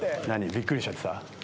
びっくりしちゃってた？